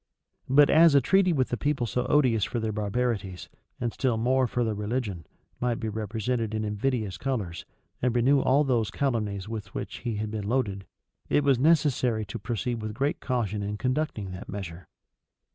But as a treaty with a people so odious for their barbarities, and still more for their religion, might be represented in invidious colors, and renew all those calumnies with which he had been loaded, it was necessary to proceed with great caution in conducting that measure.